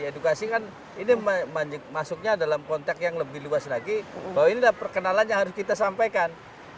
edukasi kan ini masuknya dalam konteks yang lebih luas lagi bahwa ini adalah perkenalan yang harus kita sampaikan